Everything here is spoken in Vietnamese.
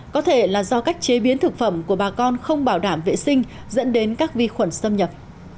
có thể là do cách chế biến thực phẩm của bà con không bảo đảm vệ sinh dẫn đến các vi khuẩn xâm nhập